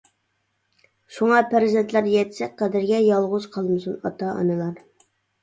شۇڭا پەرزەنتلەر يەتسەك قەدرىگە، يالغۇز قالمىسۇن ئاتا ئانىلار.